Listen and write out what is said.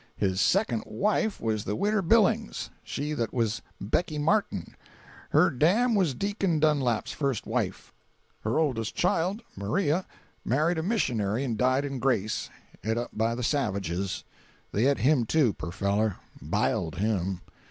His second wife was the widder Billings—she that was Becky Martin; her dam was deacon Dunlap's first wife. Her oldest child, Maria, married a missionary and died in grace—et up by the savages. They et him, too, poor feller—biled him.